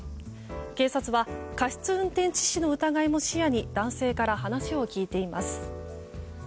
警察は過失運転致死の疑いも視野に男性から話を聞いています。